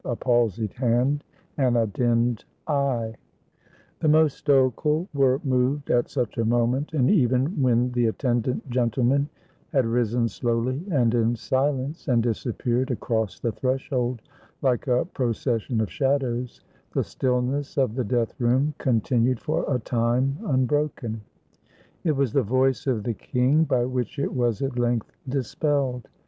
p.'l Pf^l THE DEATH OF LOUIS XIV The most stoical were moved at such a moment ; and even when the attendant gentlemen had risen slowly and in silence, and disappeared across the threshold, Kke a procession of shadows, the stillness of the death room continued for a time unbroken. It was the voice of the king by which it was at length dispelled.